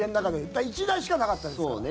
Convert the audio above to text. だから１台しかなかったですから。